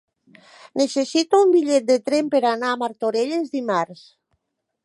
Necessito un bitllet de tren per anar a Martorelles dimarts.